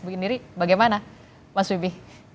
bu indri bagaimana mas wibi